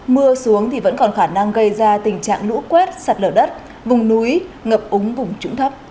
mưa xuống thì vẫn còn khả năng gây ra tình trạng lũ quét sạt lở đất vùng núi ngập úng vùng trũng thấp